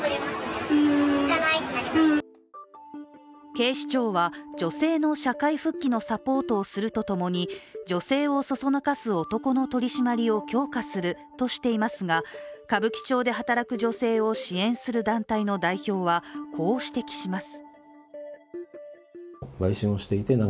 警視庁は、女性の社会復帰のサポートをするとともに女性をそそのかす男の取り締まりを強化するとしていますが、歌舞伎町で働く女性を支援する団体の代表はこう指摘します。